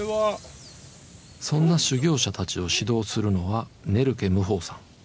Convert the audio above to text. そんな修行者たちを指導するのはネルケ無方さん。